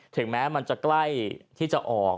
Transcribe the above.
ถึงแม้มันจะใกล้ที่จะออก